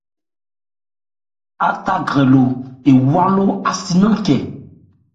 Átha grɛ lo ewá ló ási nankhɛ.